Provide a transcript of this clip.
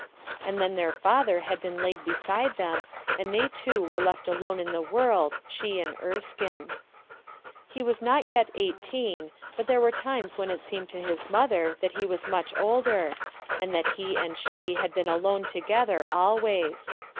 And then their father had been laid beside them and they two were left alone in the world, she and Erskine* He was not yet eighteen, but there were times when it seemed to his mother that he was much older, and that he and she had been alone together always.